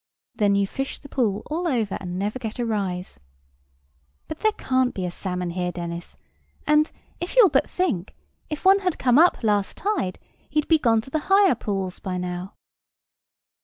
Then you fish the pool all over, and never get a rise. "But there can't be a salmon here, Dennis! and, if you'll but think, if one had come up last tide, he'd be gone to the higher pools by now."